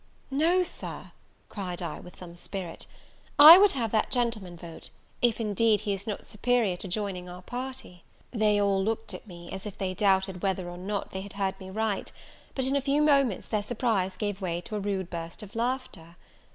"No, Sir," cried I, with some spirit, "I would have that gentleman vote, if, indeed, he is not superior to joining our party." They all looked at me, as if they doubted whether or not they had heard me right: but, in a few moments, their surprise gave way to a rude burst of laughter.